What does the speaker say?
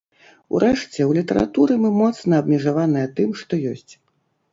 Урэшце, у літаратуры мы моцна абмежаваныя тым, што ёсць.